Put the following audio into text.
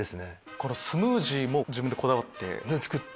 このスムージーも自分でこだわって？で作って。